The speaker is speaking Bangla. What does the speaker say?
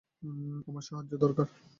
আমার সাহায্য দরকার।